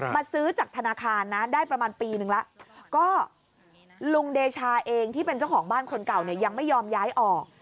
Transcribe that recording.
ซื้อจากธนาคารนะได้ประมาณปีนึงแล้วก็ลุงเดชาเองที่เป็นเจ้าของบ้านคนเก่าเนี่ยยังไม่ยอมย้ายออก